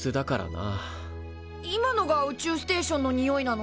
今のが宇宙ステーションのにおいなの？